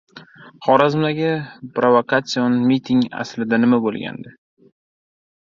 Xorazmdagi provokatsion miting: aslida nima bo‘lgandi?